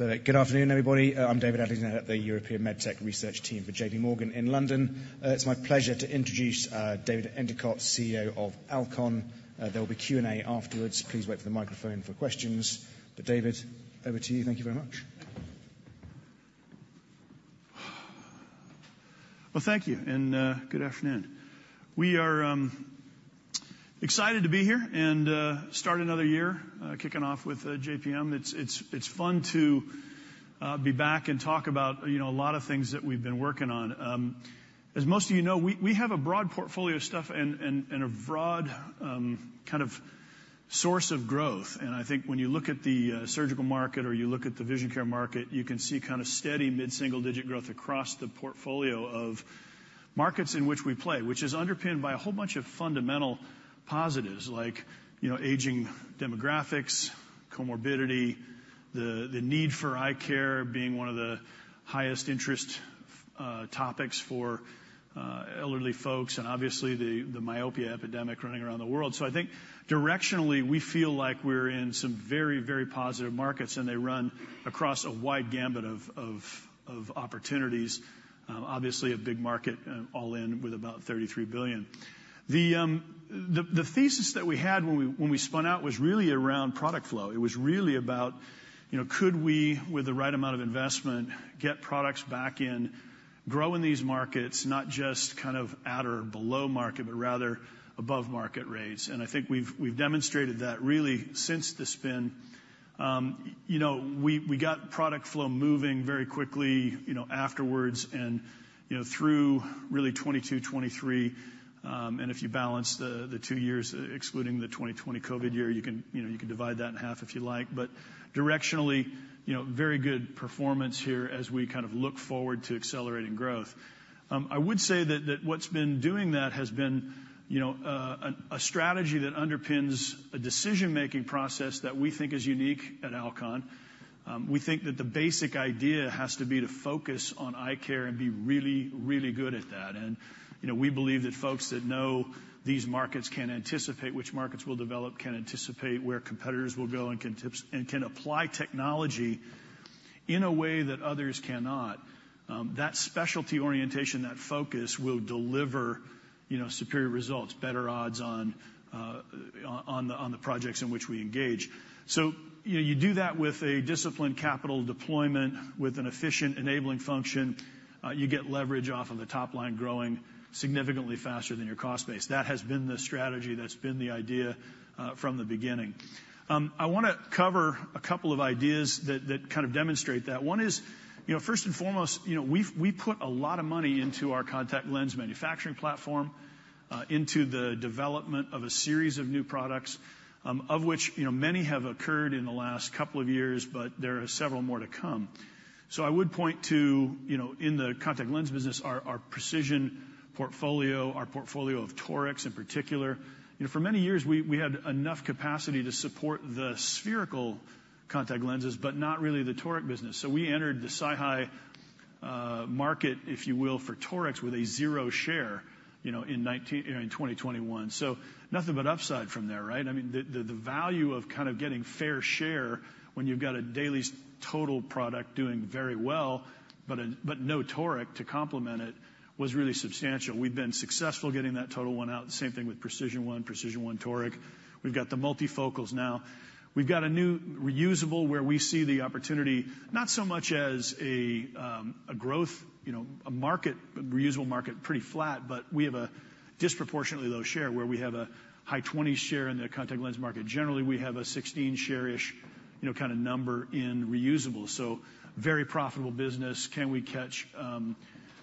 Good afternoon, everybody. I'm David Adlington of the European Medtech research team for J.P. Morgan in London. It's my pleasure to introduce David Endicott, CEO of Alcon. There will be Q&A afterwards. Please wait for the microphone for questions. But David, over to you. Thank you very much. Well, thank you, and good afternoon. We are excited to be here and start another year kicking off with JPM. It's fun to be back and talk about, you know, a lot of things that we've been working on. As most of you know, we have a broad portfolio of stuff and a broad kind of source of growth. I think when you look at the surgical market or you look at the vision care market, you can see kind of steady mid-single-digit growth across the portfolio of markets in which we play, which is underpinned by a whole bunch of fundamental positives like, you know, aging demographics, comorbidity, the need for eye care being one of the highest interest topics for elderly folks, and obviously the myopia epidemic running around the world. I think directionally, we feel like we're in some very, very positive markets, and they run across a wide gamut of opportunities. Obviously a big market all in with about $33 billion. The thesis that we had when we spun out was really around product flow. It was really about, you know, could we, with the right amount of investment, get products back in, grow in these markets, not just kind of at or below market, but rather above market rates? And I think we've demonstrated that really since the spin. You know, we got product flow moving very quickly, you know, afterwards and, you know, through really 2022, 2023. And if you balance the two years, excluding the 2020 COVID year, you can—you know, you can divide that in half if you like. But directionally, you know, very good performance here as we kind of look forward to accelerating growth. I would say that what's been doing that has been, you know, a strategy that underpins a decision-making process that we think is unique at Alcon. We think that the basic idea has to be to focus on eye care and be really, really good at that. And, you know, we believe that folks that know these markets can anticipate which markets will develop, can anticipate where competitors will go, and can apply technology in a way that others cannot. That specialty orientation, that focus, will deliver, you know, superior results, better odds on the projects in which we engage. So, you know, you do that with a disciplined capital deployment, with an efficient enabling function, you get leverage off of the top line growing significantly faster than your cost base. That has been the strategy, that's been the idea from the beginning. I wanna cover a couple of ideas that kind of demonstrate that. One is, you know, first and foremost, you know, we've put a lot of money into our contact lens manufacturing platform, into the development of a series of new products, of which, you know, many have occurred in the last couple of years, but there are several more to come. So I would point to, you know, in the contact lens business, our Precision portfolio, our portfolio of Torics, in particular. You know, for many years, we had enough capacity to support the spherical contact lenses, but not really the Toric business. So we entered the high-end market, if you will, for Torics, with a zero share, you know, in 2021. So nothing but upside from there, right? I mean, the value of kind of getting fair share when you've got a DAILIES TOTAL1 product doing very well, but no Toric to complement it, was really substantial. We've been successful getting that TOTAL1 out. The same thing with PRECISION1, PRECISION1 Toric. We've got the multifocals now. We've got a new reusable, where we see the opportunity, not so much as a growth, you know, a market, reusable market, pretty flat, but we have a disproportionately low share, where we have a high 20 share in the contact lens market. Generally, we have a 16 share-ish, you know, kind of number in reusable. So very profitable business. Can we catch,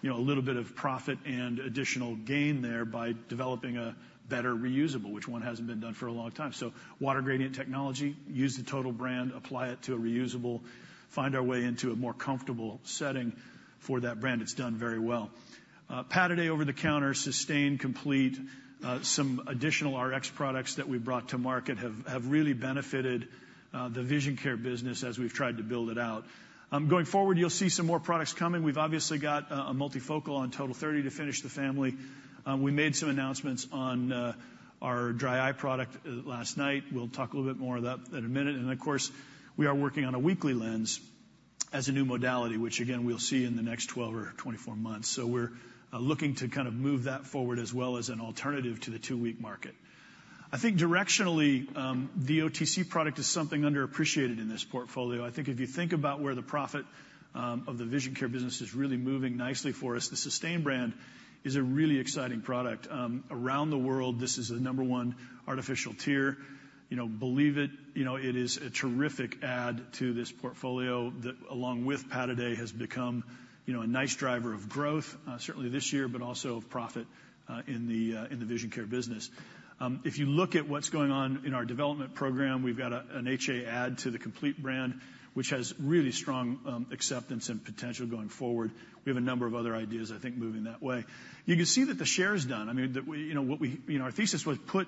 you know, a little bit of profit and additional gain there by developing a better reusable, which one hasn't been done for a long time? So water gradient technology, use the TOTAL brand, apply it to a reusable, find our way into a more comfortable setting for that brand. It's done very well. Pataday over the counter, SYSTANE COMPLETE, some additional RX products that we brought to market have really benefited the vision care business as we've tried to build it out. Going forward, you'll see some more products coming. We've obviously got a multifocal on TOTAL30 to finish the family. We made some announcements on our dry eye product last night. We'll talk a little bit more about that in a minute. And of course, we are working on a weekly lens as a new modality, which again, we'll see in the next 12 or 24 months. So we're looking to kind of move that forward as well as an alternative to the two-week market. I think directionally, the OTC product is something underappreciated in this portfolio. I think if you think about where the profit of the vision care business is really moving nicely for us, the SYSTANE brand is a really exciting product. Around the world, this is the number one artificial tear. You know, believe it, you know, it is a terrific add to this portfolio that, along with Pataday, has become, you know, a nice driver of growth, certainly this year, but also of profit in the vision care business. If you look at what's going on in our development program, we've got an HA add to the COMPLETE brand, which has really strong acceptance and potential going forward. We have a number of other ideas, I think, moving that way. You can see that the share's done. I mean, you know, our thesis was put,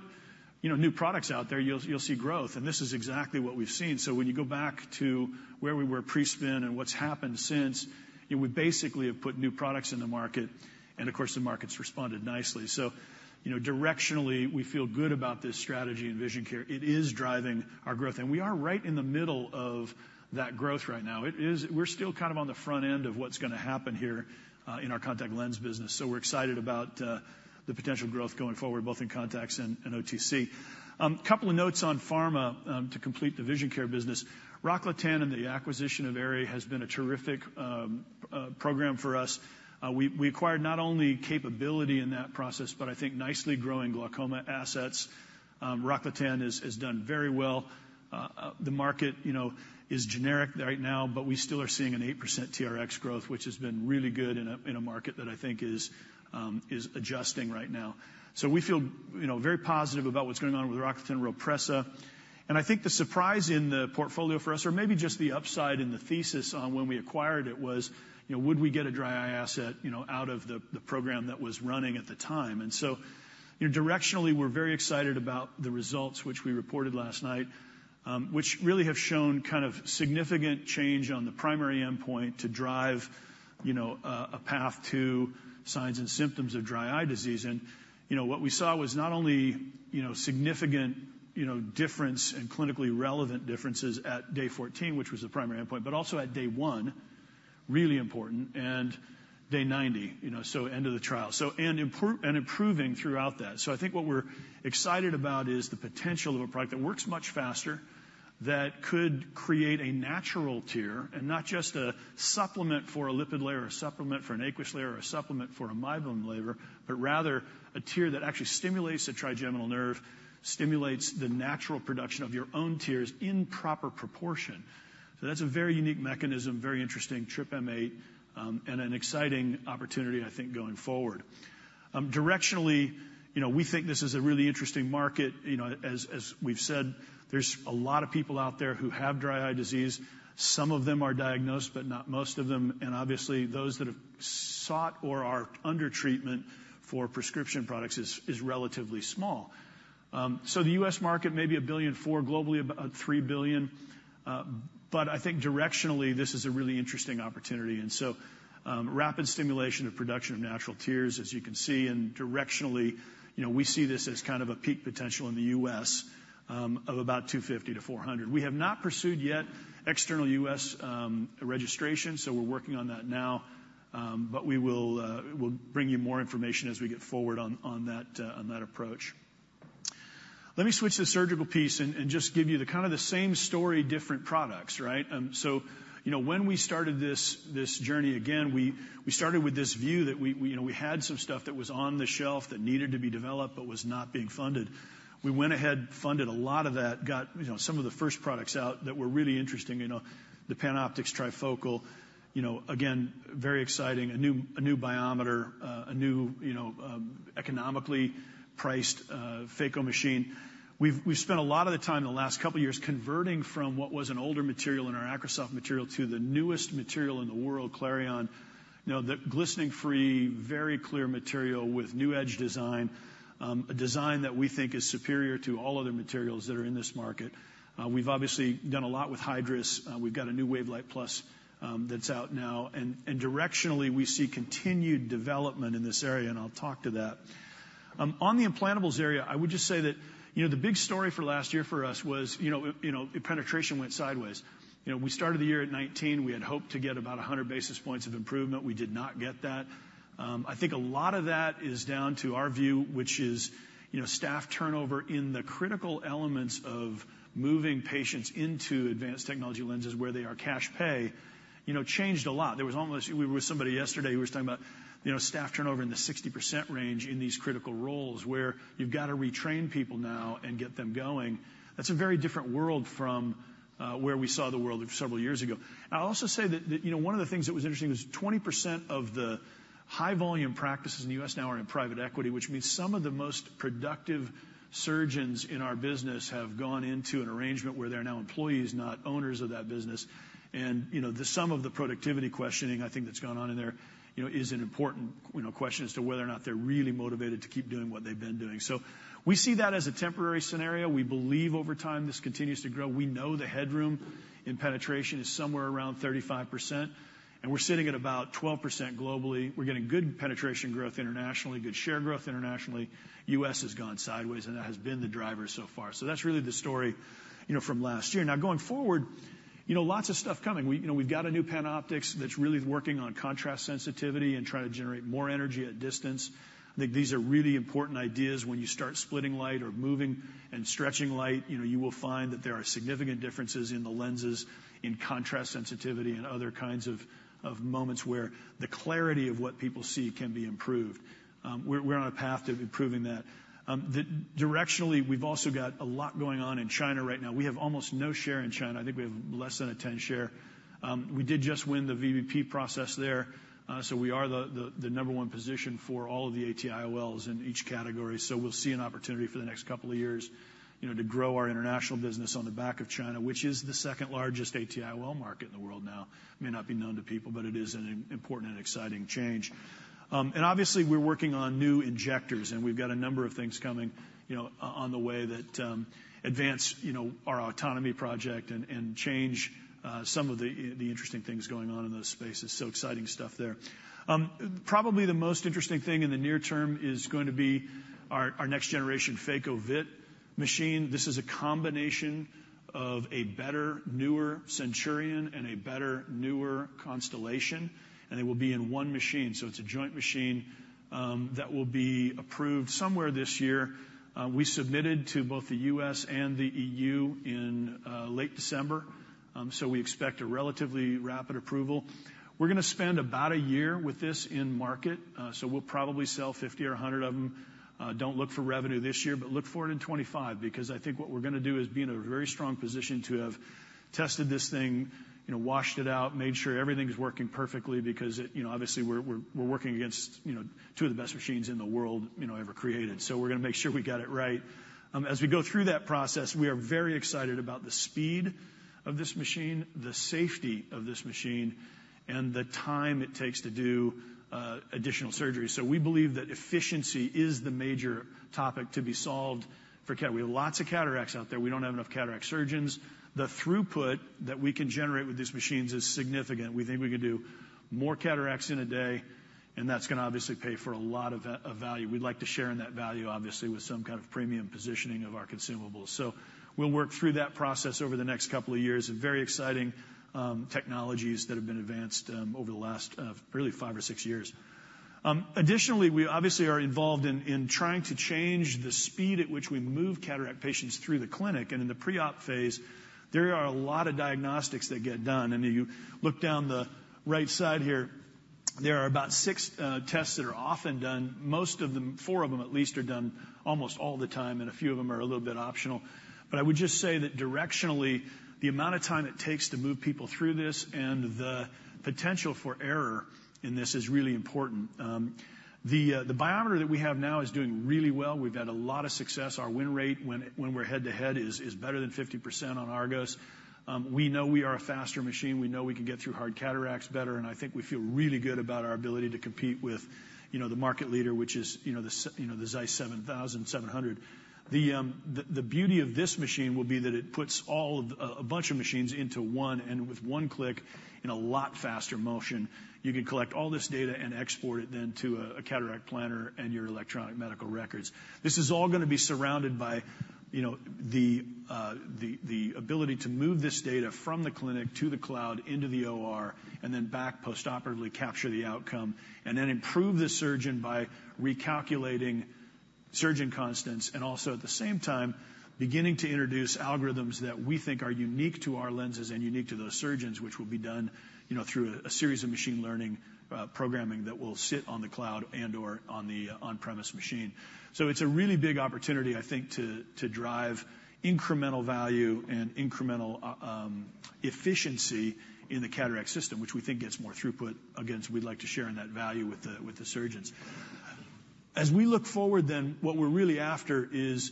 you know, new products out there, you'll see growth, and this is exactly what we've seen. So when you go back to where we were pre-spin and what's happened since, you know, we basically have put new products in the market, and of course, the market's responded nicely. So, you know, directionally, we feel good about this strategy in vision care. It is driving our growth, and we are right in the middle of that growth right now. It is... We're still kind of on the front end of what's gonna happen here in our contact lens business. So we're excited about the potential growth going forward, both in contacts and OTC. A couple of notes on pharma to complete the vision care business. Rocklatan and the acquisition of Aerie has been a terrific program for us. We acquired not only capability in that process, but I think nicely growing glaucoma assets. Rocklatan has done very well. The market, you know, is generic right now, but we still are seeing an 8% TRX growth, which has been really good in a market that I think is adjusting right now. So we feel, you know, very positive about what's going on with Rocklatan and Rhopressa. And I think the surprise in the portfolio for us, or maybe just the upside in the thesis on when we acquired it, was, you know, would we get a dry eye asset, you know, out of the program that was running at the time? So directionally, we're very excited about the results which we reported last night, which really have shown kind of significant change on the primary endpoint to drive, you know, a path to signs and symptoms of dry eye disease. And, you know, what we saw was not only, you know, significant, you know, difference and clinically relevant differences at day 14, which was the primary endpoint, but also at day one, really important, and day 90, you know, so end of the trial. So, and improving throughout that. So I think what we're excited about is the potential of a product that works much faster, that could create a natural tear, and not just a supplement for a lipid layer, or a supplement for an aqueous layer, or a supplement for a Meibomian layer, but rather a tear that actually stimulates the trigeminal nerve, stimulates the natural production of your own tears in proper proportion. So that's a very unique mechanism, very interesting, TRPM8, and an exciting opportunity, I think, going forward. Directionally, you know, we think this is a really interesting market. You know, as we've said, there's a lot of people out there who have dry eye disease. Some of them are diagnosed, but not most of them, and obviously, those that have sought or are under treatment for prescription products is relatively small. So the U.S. market, maybe $1.4 billion, globally, about $3 billion. But I think directionally, this is a really interesting opportunity, and so, rapid stimulation of production of natural tears, as you can see, and directionally, you know, we see this as kind of a peak potential in the U.S., of about $250 million-$400 million. We have not pursued yet external U.S., registration, so we're working on that now. But we will, we'll bring you more information as we get forward on, on that, on that approach. Let me switch to the surgical piece and, and just give you the kind of the same story, different products, right? So you know, when we started this journey, again, you know, we had some stuff that was on the shelf that needed to be developed but was not being funded. We went ahead, funded a lot of that, got, you know, some of the first products out that were really interesting, you know, the PanOptix trifocal, you know, again, very exciting, a new biometer, a new, you know, economically priced phaco machine. We've, we've spent a lot of the time in the last couple of years converting from what was an older material in our AcrySof material to the newest material in the world, Clareon. You know, the glistening-free, very clear material with new edge design, a design that we think is superior to all other materials that are in this market. We've obviously done a lot with Hydrus. We've got a new WaveLight Plus that's out now. And directionally, we see continued development in this area, and I'll talk to that. On the implantables area, I would just say that, you know, the big story for last year for us was, you know, penetration went sideways. You know, we started the year at 19. We had hoped to get about 100 basis points of improvement. We did not get that. I think a lot of that is down to our view, which is, you know, staff turnover in the critical elements of moving patients into advanced technology lenses where they are cash pay, you know, changed a lot. There was almost... We were with somebody yesterday who was talking about, you know, staff turnover in the 60% range in these critical roles, where you've got to retrain people now and get them going. That's a very different world from where we saw the world several years ago. I'll also say that, you know, one of the things that was interesting was 20% of the high-volume practices in the U.S. now are in private equity, which means some of the most productive surgeons in our business have gone into an arrangement where they're now employees, not owners of that business. And, you know, the sum of the productivity questioning, I think, that's gone on in there, you know, is an important, you know, question as to whether or not they're really motivated to keep doing what they've been doing. So we see that as a temporary scenario. We believe over time, this continues to grow. We know the headroom in penetration is somewhere around 35%, and we're sitting at about 12% globally. We're getting good penetration growth internationally, good share growth internationally. U.S. has gone sideways, and that has been the driver so far. So that's really the story, you know, from last year. Now, going forward, you know, lots of stuff coming. We, you know, we've got a new PanOptix that's really working on contrast sensitivity and trying to generate more energy at distance. I think these are really important ideas. When you start splitting light or moving and stretching light, you know, you will find that there are significant differences in the lenses, in contrast, sensitivity, and other kinds of, of moments where the clarity of what people see can be improved. We're on a path to improving that. Directionally, we've also got a lot going on in China right now. We have almost no share in China. I think we have less than a 10% share. We did just win the VBP process there, so we are the number one position for all of the AT IOLs in each category. So we'll see an opportunity for the next couple of years, you know, to grow our international business on the back of China, which is the second-largest AT IOL market in the world now. It may not be known to people, but it is an important and exciting change. And obviously, we're working on new injectors, and we've got a number of things coming, you know, on the way that advance, you know, our autonomy project and change some of the interesting things going on in those spaces. So exciting stuff there. Probably the most interesting thing in the near term is going to be our next-generation phaco-vit machine. This is a combination of a better, newer CENTURION and a better, newer CONSTELLATION, and it will be in one machine. So it's a joint machine that will be approved somewhere this year. We submitted to both the U.S. and the EU in late December, so we expect a relatively rapid approval. We're gonna spend about a year with this in market, so we'll probably sell 50 or 100 of them. Don't look for revenue this year, but look for it in 2025, because I think what we're gonna do is be in a very strong position to have tested this thing, you know, washed it out, made sure everything's working perfectly because it... You know, obviously, we're working against, you know, two of the best machines in the world, you know, ever created. So we're gonna make sure we got it right. As we go through that process, we are very excited about the speed of this machine, the safety of this machine, and the time it takes to do additional surgery. So we believe that efficiency is the major topic to be solved. We have lots of cataracts out there. We don't have enough cataract surgeons. The throughput that we can generate with these machines is significant. We think we can do more cataracts in a day, and that's gonna obviously pay for a lot of value. We'd like to share in that value, obviously, with some kind of premium positioning of our consumables. So we'll work through that process over the next couple of years, of very exciting technologies that have been advanced over the last really five or six years. Additionally, we obviously are involved in trying to change the speed at which we move cataract patients through the clinic. In the pre-op phase, there are a lot of diagnostics that get done. If you look down the right side here, there are about six tests that are often done. Most of them, four of them at least, are done almost all the time, and a few of them are a little bit optional. I would just say that directionally, the amount of time it takes to move people through this and the potential for error in this is really important. The biometer that we have now is doing really well. We've had a lot of success. Our win rate, when we're head-to-head, is better than 50% on ARGOS. We know we are a faster machine. We know we can get through hard cataracts better, and I think we feel really good about our ability to compete with, you know, the market leader, which is, you know, the ZEISS 700. The beauty of this machine will be that it puts all of a bunch of machines into one, and with one click, in a lot faster motion, you can collect all this data and export it then to a cataract planner and your electronic medical records. This is all gonna be surrounded by, you know, the ability to move this data from the clinic to the cloud, into the OR, and then back post-operatively capture the outcome, and then improve the surgeon by recalculating surgeon constants, and also, at the same time, beginning to introduce algorithms that we think are unique to our lenses and unique to those surgeons, which will be done, you know, through a series of machine learning programming that will sit on the cloud and/or on the on-premise machine. So it's a really big opportunity, I think, to drive incremental value and incremental efficiency in the cataract system, which we think gets more throughput. Again, so we'd like to share in that value with the surgeons. As we look forward, then, what we're really after is,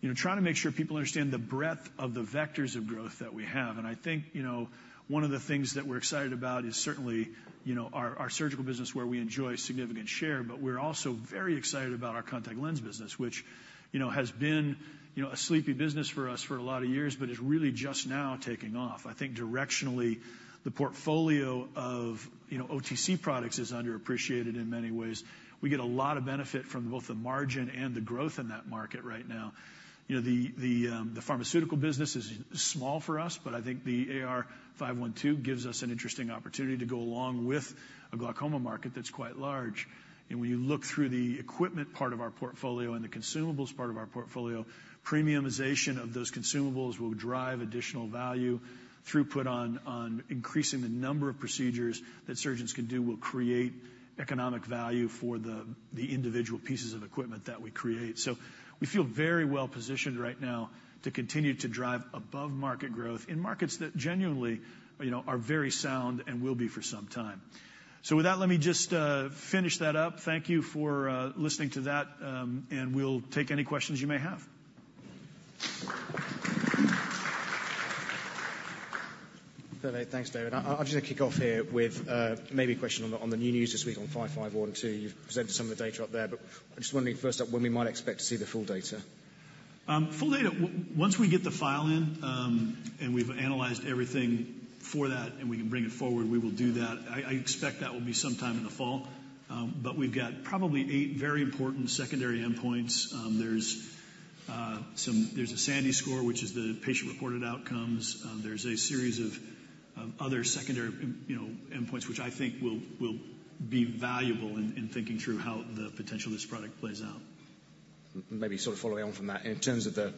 you know, trying to make sure people understand the breadth of the vectors of growth that we have. And I think, you know, one of the things that we're excited about is certainly, you know, our surgical business, where we enjoy significant share. But we're also very excited about our contact lens business, which, you know, has been, you know, a sleepy business for us for a lot of years but is really just now taking off. I think directionally, the portfolio of, you know, OTC products is underappreciated in many ways. We get a lot of benefit from both the margin and the growth in that market right now. You know, the pharmaceutical business is small for us, but I think the AR-15512 gives us an interesting opportunity to go along with a glaucoma market that's quite large. And when you look through the equipment part of our portfolio and the consumables part of our portfolio, premiumization of those consumables will drive additional value. Throughput on increasing the number of procedures that surgeons can do will create economic value for the individual pieces of equipment that we create. So we feel very well positioned right now to continue to drive above-market growth in markets that genuinely, you know, are very sound and will be for some time. So with that, let me just finish that up. Thank you for listening to that, and we'll take any questions you may have. Okay, thanks, David. I'll just kick off here with maybe a question on the new news this week on AR-15512. You've presented some of the data up there, but I'm just wondering, first up, when we might expect to see the full data? Full data, once we get the file in, and we've analyzed everything for that and we can bring it forward, we will do that. I expect that will be sometime in the fall. But we've got probably eight very important secondary endpoints. There's a SANDE score, which is the patient-reported outcomes. There's a series of other secondary, you know, endpoints, which I think will be valuable in thinking through how the potential of this product plays out. Maybe sort of following on from that, in terms of the,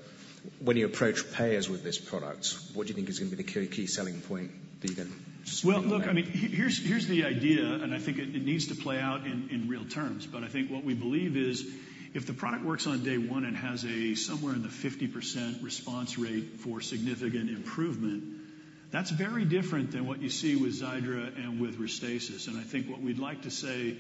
when you approach payers with this product, what do you think is going to be the key, key selling point that you're going to? Well, look, I mean, here's the idea, and I think it needs to play out in real terms. But I think what we believe is, if the product works on day one and has a somewhere in the 50% response rate for significant improvement, that's very different than what you see with Xiidra and with Restasis. And I think what we'd like to say,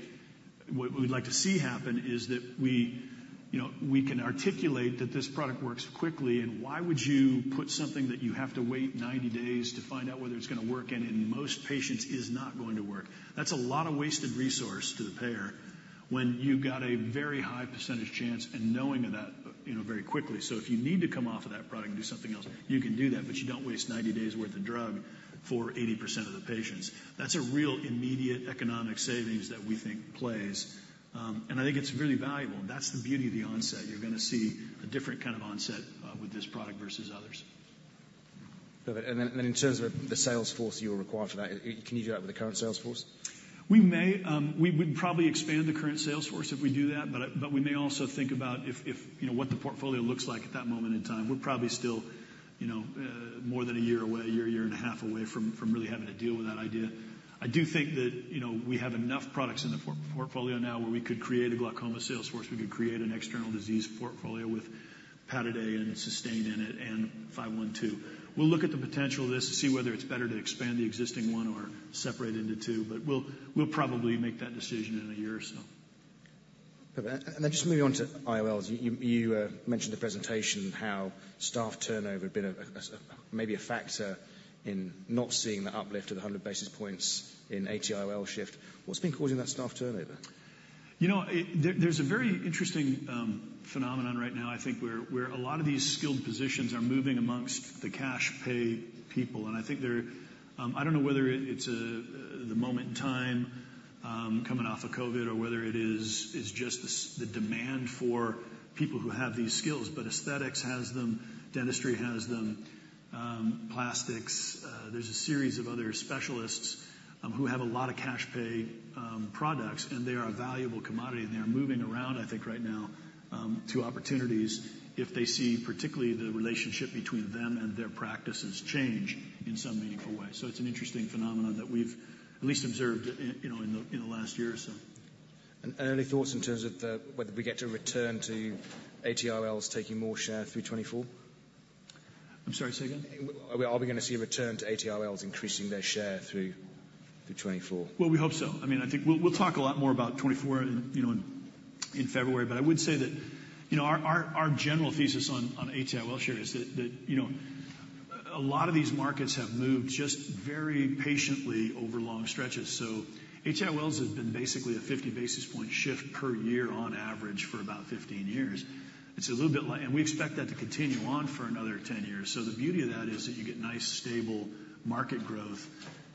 what we'd like to see happen, is that we, you know, we can articulate that this product works quickly, and why would you put something that you have to wait 90 days to find out whether it's going to work, and in most patients is not going to work? That's a lot of wasted resource to the payer when you've got a very high percentage chance in knowing that, you know, very quickly. So if you need to come off of that product and do something else, you can do that, but you don't waste 90 days' worth of drug for 80% of the patients. That's a real immediate economic savings that we think plays, and I think it's really valuable. That's the beauty of the onset. You're going to see a different kind of onset with this product versus others. Perfect. And then in terms of the sales force you'll require for that, can you do that with the current sales force? We may. We would probably expand the current sales force if we do that, but we may also think about if, you know, what the portfolio looks like at that moment in time. We're probably still, you know, more than a year away, a year, year and a half away from really having to deal with that idea. I do think that, you know, we have enough products in the portfolio now where we could create a glaucoma sales force, we could create an external disease portfolio with Pataday and SYSTANE in it, and AR-15512. We'll look at the potential of this to see whether it's better to expand the existing one or separate into two, but we'll probably make that decision in a year or so. Perfect. And then just moving on to IOLs, you mentioned the presentation, how staff turnover had been a maybe a factor in not seeing the uplift of 100 basis points in AT IOL shift. What's been causing that staff turnover? You know, there's a very interesting phenomenon right now, I think, where a lot of these skilled positions are moving amongst the cash pay people. And I think they're, I don't know whether it's a, the moment in time coming off of COVID, or whether it is just the demand for people who have these skills. But aesthetics has them, dentistry has them, plastics, there's a series of other specialists who have a lot of cash pay products, and they are a valuable commodity, and they are moving around, I think, right now, to opportunities if they see particularly the relationship between them and their practices change in some meaningful way. So it's an interesting phenomenon that we've at least observed in, you know, in the last year or so. Any thoughts in terms of the, whether we get to return to AT IOLs taking more share through 2024? I'm sorry, say again? Are we, are we going to see a return to AT IOLs increasing their share through to 2024? Well, we hope so. I mean, I think we'll talk a lot more about 2024 in, you know, in February. But I would say that, you know, our general thesis on AT IOL share is that, you know, a lot of these markets have moved just very patiently over long stretches. So AT IOLs have been basically a 50 basis point shift per year on average for about 15 years. It's a little bit like. And we expect that to continue on for another 10 years. So the beauty of that is that you get nice, stable market growth,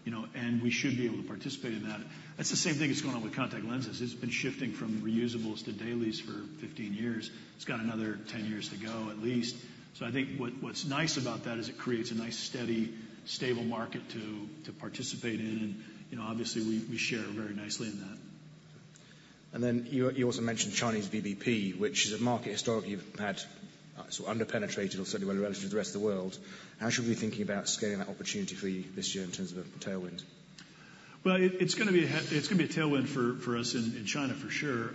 you know, and we should be able to participate in that. That's the same thing that's going on with contact lenses. It's been shifting from reusables to dailies for 15 years. It's got another 10 years to go, at least. So I think what's nice about that is it creates a nice, steady, stable market to participate in. And, you know, obviously, we share very nicely in that. Then you also mentioned Chinese VBP, which is a market historically you've had sort of underpenetrated or certainly when relatively to the rest of the world. How should we be thinking about scaling that opportunity for you this year in terms of a tailwind? Well, it's going to be a tailwind for us in China, for sure.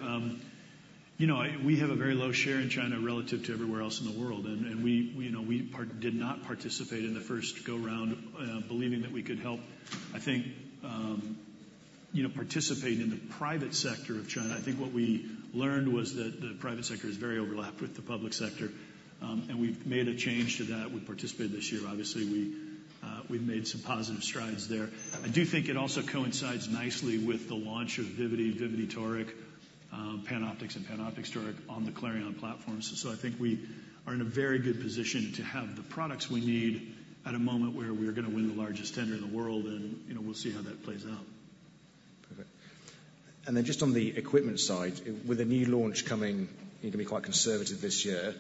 You know, we have a very low share in China relative to everywhere else in the world, and we, you know, we did not participate in the first go-round, believing that we could help participate in the private sector of China. I think what we learned was that the private sector is very overlapped with the public sector, and we've made a change to that. We participated this year. Obviously, we've made some positive strides there. I do think it also coincides nicely with the launch of Vivity, Vivity Toric, PanOptix and PanOptix Toric on the Clareon platform. So I think we are in a very good position to have the products we need at a moment where we are going to win the largest tender in the world, and, you know, we'll see how that plays out. Perfect. And then just on the equipment side, with a new launch coming, you're going to be quite conservative this year,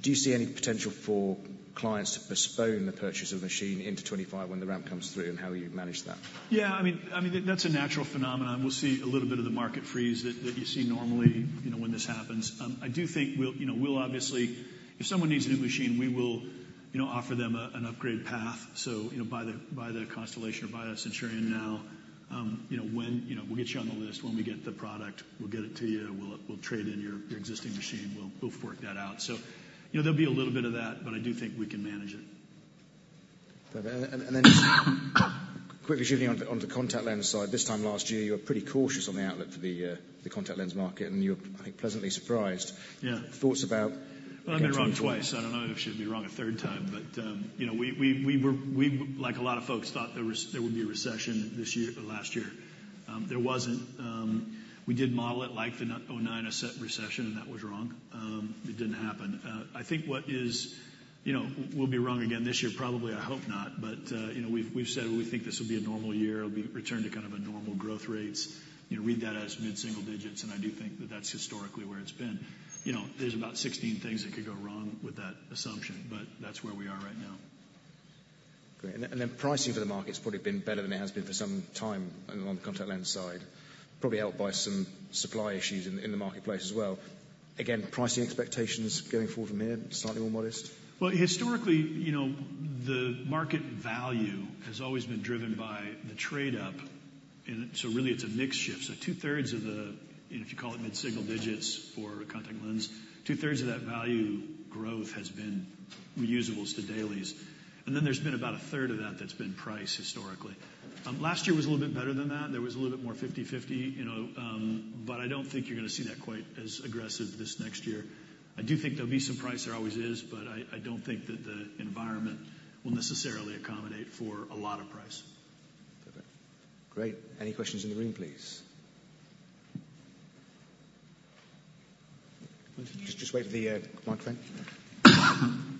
do you see any potential for clients to postpone the purchase of the machine into 2025 when the ramp comes through, and how will you manage that? Yeah, I mean, that's a natural phenomenon. We'll see a little bit of the market freeze that you see normally, you know, when this happens. I do think we'll, you know, we'll obviously... If someone needs a new machine, we will, you know, offer them an upgrade path. So, you know, buy the CONSTELLATION or buy the Centurion now, you know, we'll get you on the list. When we get the product, we'll get it to you. We'll trade in your existing machine. We'll work that out. So, you know, there'll be a little bit of that, but I do think we can manage it. Perfect. And then quickly shifting on to the contact lens side. This time last year, you were pretty cautious on the outlook for the contact lens market, and you were, I think, pleasantly surprised. Yeah. Thoughts about- Well, I've been wrong twice. I don't know if I should be wrong a third time, but, you know, we, like a lot of folks, thought there would be a recession this year, last year. There wasn't. We did model it like the 2009 asset recession, and that was wrong. It didn't happen. I think, you know, we'll be wrong again this year, probably. I hope not, but, you know, we've said we think this will be returned to kind of a normal growth rates. You know, read that as mid-single digits, and I do think that that's historically where it's been. You know, there's about 16 things that could go wrong with that assumption, but that's where we are right now. Great. And then pricing for the market has probably been better than it has been for some time on the contact lens side, probably helped by some supply issues in the marketplace as well. Again, pricing expectations going forward from here, slightly more modest? Well, historically, you know, the market value has always been driven by the trade-up, and so really it's a mix shift. So two-thirds of the, if you call it mid-single digits for contact lens, two-thirds of that value growth has been reusables to dailies. And then there's been about a third of that that's been price historically. Last year was a little bit better than that. There was a little bit more 50/50, you know, but I don't think you're going to see that quite as aggressive this next year. I do think there'll be some price, there always is, but I, I don't think that the environment will necessarily accommodate for a lot of price. Perfect. Great. Any questions in the room, please? Just, just wait for the microphone.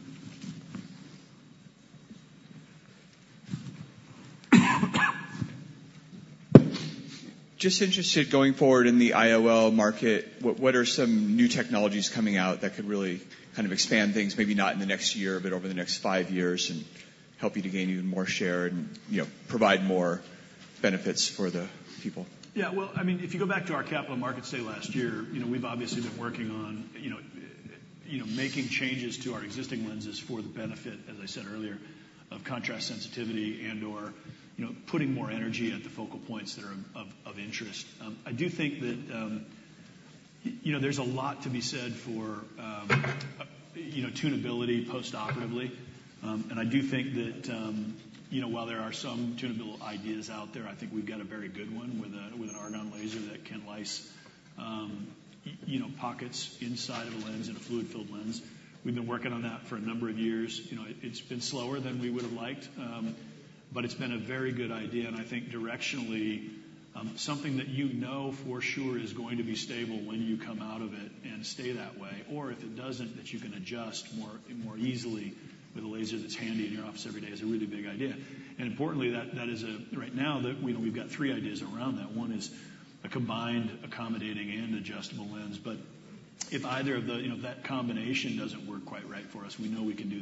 Just interested, going forward in the IOL market, what are some new technologies coming out that could really kind of expand things, maybe not in the next year, but over the next five years, and help you to gain even more share and, you know, provide more benefits for the people? Yeah, well, I mean, if you go back to our capital markets, say, last year, you know, we've obviously been working on making changes to our existing lenses for the benefit, as I said earlier, of contrast, sensitivity, and/or putting more energy at the focal points that are of interest. I do think that, you know, there's a lot to be said for, you know, tunability postoperatively. And I do think that, you know, while there are some tunable ideas out there, I think we've got a very good one with an argon laser that can lyse, you know, pockets inside of a lens in a fluid-filled lens. We've been working on that for a number of years. You know, it's been slower than we would have liked, but it's been a very good idea, and I think directionally, something that you know for sure is going to be stable when you come out of it and stay that way, or if it doesn't, that you can adjust more easily with a laser that's handy in your office every day is a really big idea. And importantly, that is a right now, we know we've got three ideas around that. One is a combined accommodating and adjustable lens, but if either of the, you know, that combination doesn't work quite right for us, we know we can do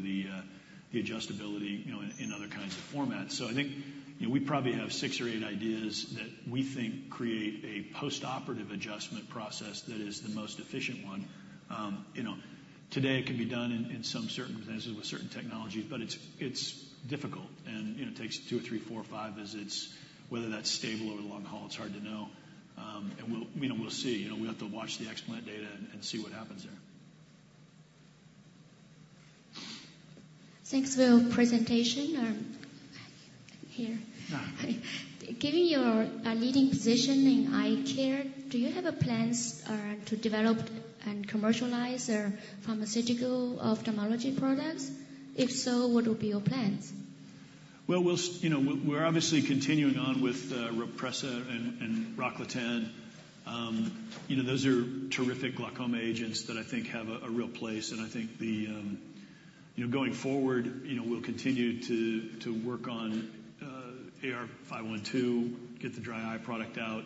the adjustability, you know, in other kinds of formats. So I think, you know, we probably have six or eight ideas that we think create a postoperative adjustment process that is the most efficient one. You know, today it can be done in some certain cases with certain technologies, but it's difficult and, you know, takes two or three, four or five visits. Whether that's stable over the long haul, it's hard to know. And we'll, you know, we'll see. You know, we have to watch the explant data and see what happens there. Thanks for your presentation. Here. Ah. Given your leading position in eye care, do you have a plans to develop and commercialize your pharmaceutical ophthalmology products? If so, what will be your plans? Well, we'll, you know, we're obviously continuing on with Rhopressa and Rocklatan. You know, those are terrific glaucoma agents that I think have a real place, and I think... You know, going forward, you know, we'll continue to work on AR-15512, get the dry eye product out.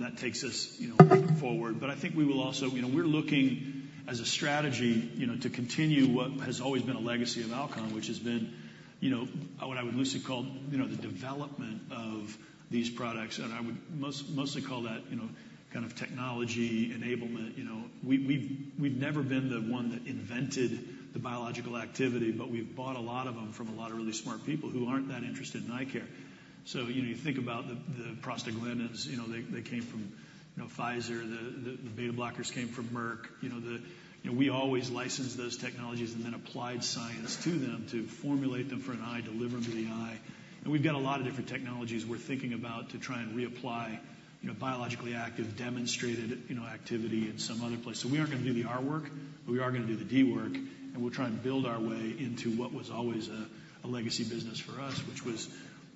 That takes us, you know, forward. But I think we will also, you know, we're looking as a strategy, you know, to continue what has always been a legacy of Alcon, which has been, you know, what I would loosely call, you know, the development of these products, and I would mostly call that, you know, kind of technology enablement. You know, we've never been the one that invented the biological activity, but we've bought a lot of them from a lot of really smart people who aren't that interested in eye care. So, you know, you think about the prostaglandins, you know, they came from, you know, Pfizer, the beta blockers came from Merck. You know, we always licensed those technologies and then applied science to them to formulate them for an eye, deliver them to the eye. And we've got a lot of different technologies we're thinking about to try and reapply, you know, biologically active, demonstrated, you know, activity in some other place. So we aren't going to do the R work, but we are going to do the D work, and we'll try and build our way into what was always a legacy business for us, which was,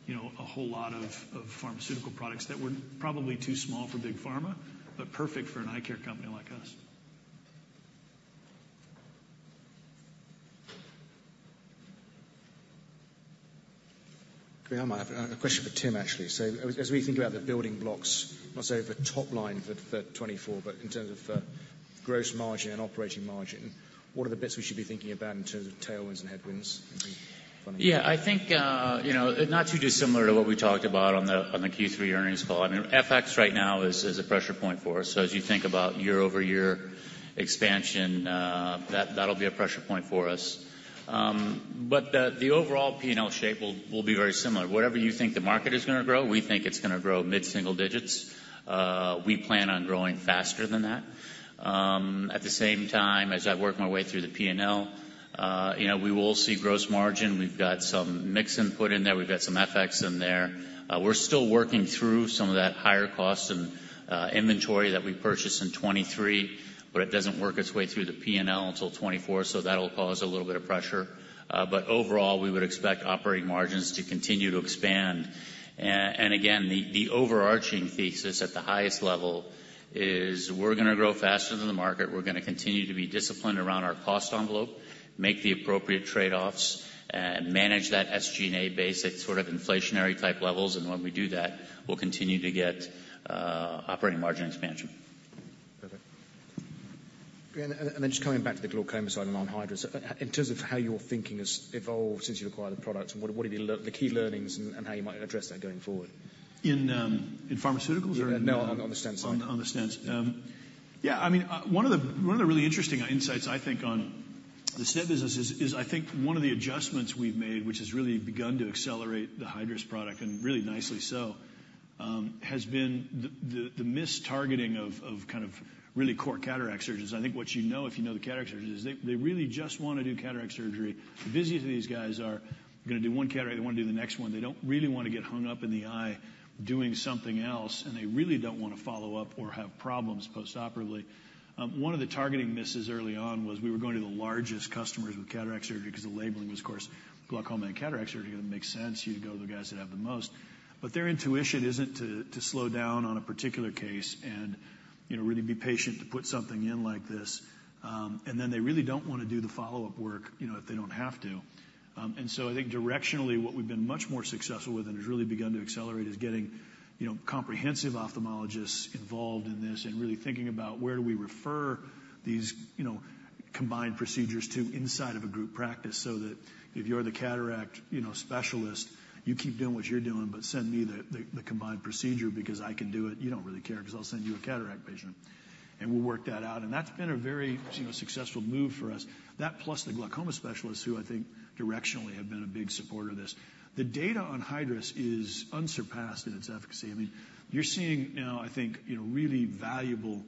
you know, a whole lot of pharmaceutical products that were probably too small for Big Pharma, but perfect for an eye care company like us. I have a question for Tim, actually. So as we think about the building blocks, not so the top line for 2024, but in terms of gross margin and operating margin, what are the bits we should be thinking about in terms of tailwinds and headwinds? Yeah, I think, you know, not too dissimilar to what we talked about on the, on the Q3 earnings call. I mean, FX right now is, is a pressure point for us. So as you think about year-over-year expansion, that, that'll be a pressure point for us. But the, the overall P&L shape will, will be very similar. Whatever you think the market is gonna grow, we think it's gonna grow mid-single digits. We plan on growing faster than that. At the same time, as I work my way through the P&L, you know, we will see gross margin. We've got some mix input in there. We've got some FX in there. We're still working through some of that higher cost and inventory that we purchased in 2023, but it doesn't work its way through the P&L until 2024, so that'll cause a little bit of pressure. But overall, we would expect operating margins to continue to expand. And again, the overarching thesis at the highest level is we're gonna grow faster than the market. We're gonna continue to be disciplined around our cost envelope, make the appropriate trade-offs, and manage that SG&A base at sort of inflationary-type levels, and when we do that, we'll continue to get operating margin expansion. ...Perfect. And then just coming back to the glaucoma side and on Hydrus, in terms of how your thinking has evolved since you acquired the product, and what are the key learnings and how you might address that going forward? In pharmaceuticals or-. No, on the stents line. On the stents. Yeah, I mean, one of the really interesting insights I think on the stent business is I think one of the adjustments we've made, which has really begun to accelerate the Hydrus product, and really nicely so, has been the mistargeting of kind of really core cataract surgeons. I think, you know, if you know the cataract surgeons, they really just want to do cataract surgery. The busier these guys are, gonna do one cataract, they want to do the next one. They don't really want to get hung up in the eye doing something else, and they really don't want to follow up or have problems postoperatively. One of the targeting misses early on was we were going to the largest customers with cataract surgery, because the labeling was, of course, glaucoma and cataract surgery. Gonna make sense, you'd go to the guys that have the most. But their intuition isn't to slow down on a particular case and, you know, really be patient to put something in like this. And then they really don't want to do the follow-up work, you know, if they don't have to. And so I think directionally, what we've been much more successful with, and has really begun to accelerate, is getting, you know, comprehensive ophthalmologists involved in this, and really thinking about where do we refer these, you know, combined procedures to inside of a group practice, so that if you're the cataract, you know, specialist, you keep doing what you're doing, but send me the combined procedure because I can do it. You don't really care, 'cause I'll send you a cataract patient, and we'll work that out. That's been a very, you know, successful move for us. That plus the glaucoma specialists, who I think directionally have been a big supporter of this. The data on Hydrus is unsurpassed in its efficacy. I mean, you're seeing now, I think, you know, really valuable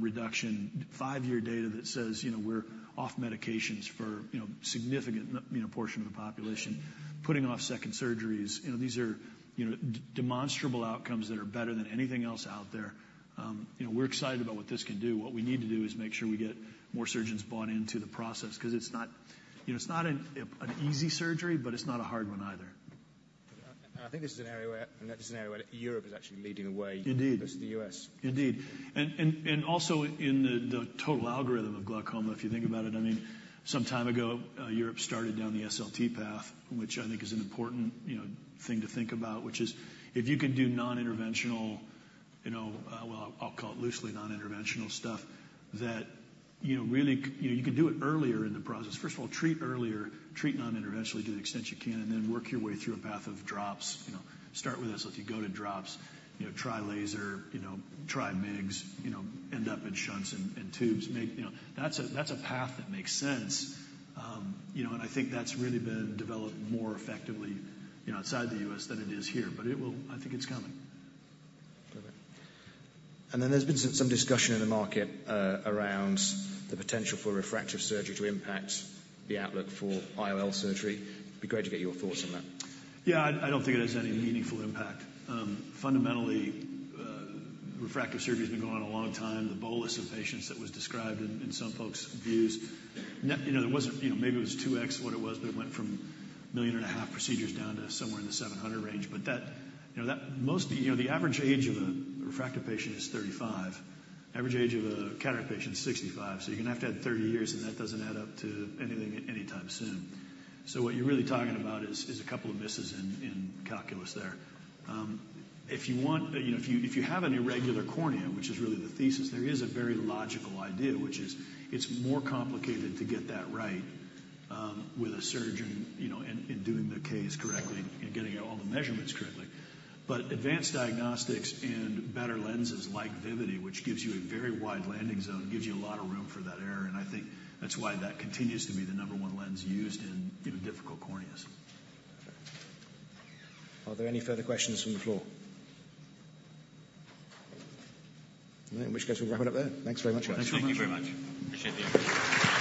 reduction, five-year data that says, you know, we're off medications for, you know, significant, you know, portion of the population, putting off second surgeries. You know, these are, you know, demonstrable outcomes that are better than anything else out there. You know, we're excited about what this can do. What we need to do is make sure we get more surgeons bought into the process, 'cause it's not, you know, it's not an easy surgery, but it's not a hard one either. I think this is an area where Europe is actually leading the way. Indeed. -versus the U.S. Indeed. And also in the total algorithm of glaucoma, if you think about it, I mean, some time ago, Europe started down the SLT path, which I think is an important, you know, thing to think about, which is if you could do non-interventional, you know... Well, I'll call it loosely non-interventional stuff, that, you know, really, you know, you can do it earlier in the process. First of all, treat earlier, treat non-interventionally to the extent you can, and then work your way through a path of drops. You know, start with SLT, go to drops, you know, try laser, you know, try MIGS, you know, end up in shunts and tubes. Make... You know, that's a, that's a path that makes sense. You know, and I think that's really been developed more effectively, you know, outside the U.S. than it is here. But it will. I think it's coming. Perfect. And then there's been some discussion in the market around the potential for refractive surgery to impact the outlook for IOL surgery. It'd be great to get your thoughts on that. Yeah, I don't think it has any meaningful impact. Fundamentally, refractive surgery's been going on a long time. The bolus of patients that was described in some folks' views, you know, there wasn't, you know, maybe it was two times what it was, but it went from 1.5 million procedures down to somewhere in the 700,000 range. But that, you know, most... You know, the average age of a refractive patient is 35. Average age of a cataract patient is 65. So you're gonna have to add 30 years, and that doesn't add up to anything anytime soon. So what you're really talking about is a couple of misses in calculus there. If you want, you know, if you have an irregular cornea, which is really the thesis, there is a very logical idea, which is it's more complicated to get that right, with a surgeon, you know, in doing the case correctly and getting all the measurements correctly. But advanced diagnostics and better lenses, like Vivity, which gives you a very wide landing zone, gives you a lot of room for that error, and I think that's why that continues to be the number one lens used in, you know, difficult corneas. Are there any further questions from the floor? In which case, we'll wrap it up there. Thanks very much. Thank you very much. Appreciate the opportunity.